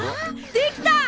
できた！